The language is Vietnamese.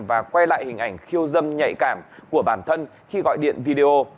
và quay lại hình ảnh khiêu dâm nhạy cảm của bản thân khi gọi điện video